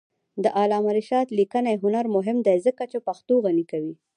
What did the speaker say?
د علامه رشاد لیکنی هنر مهم دی ځکه چې پښتو غني کوي.